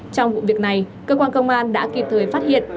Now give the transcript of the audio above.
trong vụ việc này cơ quan công an đã kịp thời phát hiện